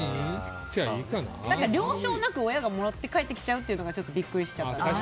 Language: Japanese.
了承なく親がもらって帰ってきちゃうっていうのがビックリしちゃう。